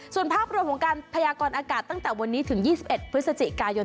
ส่วนภาพรวมของการพยากรอากาศตั้งแต่วันนี้ถึง๒๑พฤศจิกายน